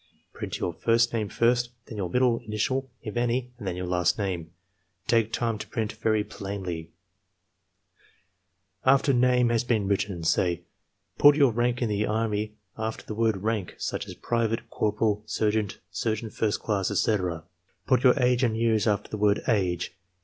Print your first name first, then your middle initial, if any, and then your last name. Take time to print very plainly,'' After name has been written, say: "Put your rank in the Army after the word 'Rank,' such as private, corporal, ser geant, sergeant first class," etc. "Put your age in years after the word 'Age.'"